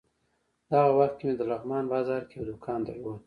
دغه وخت کې مې د لغمان بازار کې یو دوکان درلود.